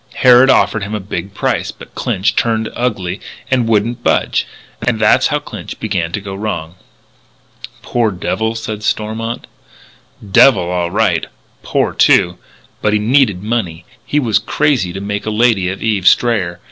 Harrod offered him a big price. But Clinch turned ugly and wouldn't budge. And that's how Clinch began to go wrong." "Poor devil," said Stormont. "Devil, all right. Poor, too. But he needed money. He was crazy to make a lady of Eve Strayer.